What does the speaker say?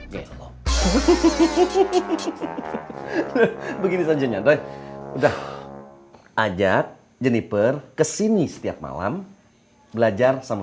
gelo hehehe begini saja nyatai udah ajak jeniper kesini setiap malam belajar sama